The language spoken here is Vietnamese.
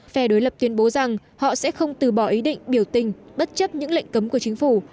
phe đối lập tuyên bố rằng họ sẽ không từ bỏ ý định biểu tình bất chấp những lệnh cấm của chính phủ